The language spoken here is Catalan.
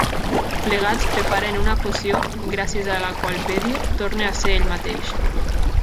Plegats preparen una poció gràcies a la qual Bedio torna a ser ell mateix.